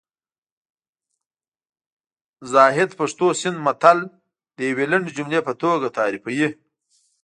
زاهد پښتو سیند متل د یوې لنډې جملې په توګه تعریفوي